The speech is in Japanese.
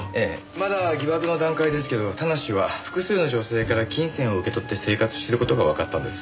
まだ疑惑の段階ですけど田無は複数の女性から金銭を受け取って生活してる事がわかったんです。